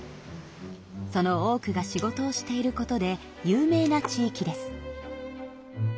その多くが仕事をしていることで有名な地域です。